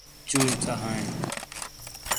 چُوئیے ژا ہائیے۔